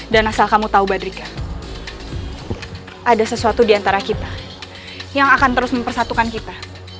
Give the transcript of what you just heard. dan asal kamu tahu badrika ada sesuatu diantara kita yang akan terus mempersatukan kita